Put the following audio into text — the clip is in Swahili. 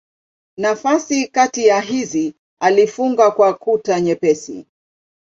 Nafasi kati ya hizi alifunga kwa kuta nyepesi.